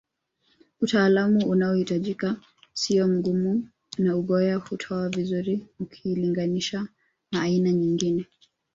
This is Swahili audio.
Utaalamu unaohitajika siyo mgumu na uyoga huota vizuri ukiliganisha na aina nyingine